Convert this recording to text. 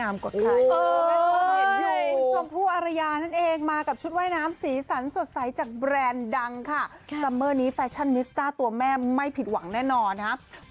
มากับชุดว่ายน้ำสีสันสดใสจากแบรนด์ดังค่ะซัมเมอร์นี้แฟชั่นนิสตาร์ตัวแม่ไม่ผิดหวังแน่นอนนะครับ